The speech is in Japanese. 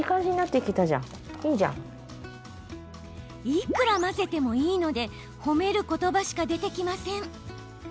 いくら混ぜてもいいので褒めることばしか出てきません。